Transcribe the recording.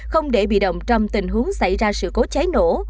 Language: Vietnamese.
không để bị động trong tình huống xảy ra sự cố cháy nổ